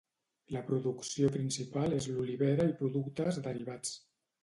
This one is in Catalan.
La producció principal és l'olivera i productes derivats.